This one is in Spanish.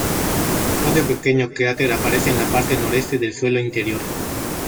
Otro pequeño cráter aparece en la parte noreste del suelo interior.